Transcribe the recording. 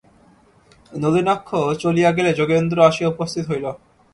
নলিনাক্ষ চলিয়া গেলে যোগেন্দ্র আসিয়া উপস্থিত হইল।